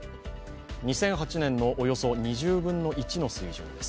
２００８年のおよそ２０分の１の水準です。